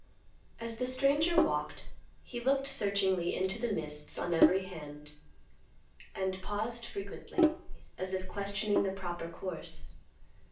As the stranger walked, he looked searchingly into the mists on every hand, and paused frequently as if questioning the proper course.